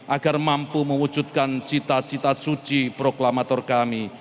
agar mampu mewujudkan cita cita suci proklamator kami